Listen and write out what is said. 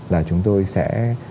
là chúng tôi sẽ